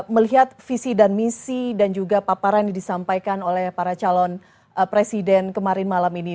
melihat visi dan misi dan juga paparan yang disampaikan oleh para calon presiden kemarin malam ini